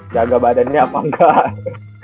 jaga badannya apa enggak